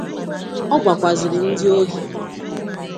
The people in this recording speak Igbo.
Ọ gwakwazịrị ndị ohi